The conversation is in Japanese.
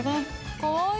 かわいい！